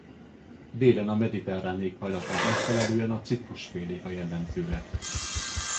Délen a mediterrán éghajlatnak megfelelően a citrusfélék a jellemzőek.